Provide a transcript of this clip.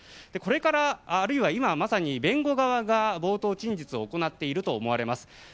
これから、あるいは今まさに弁護側が冒頭陳述を行っていると思われます。